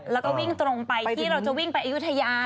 แล้วก็วิ่งตรงไปที่เราจะวิ่งไปอยูทยาเส้นนั้นอะ